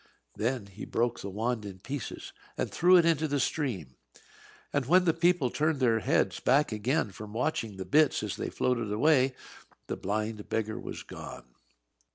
Then he broke the wand in pieces, and threw it into the stream. And when the people turned their heads back again from watching the bits as they floated away, the blind beggar was gone.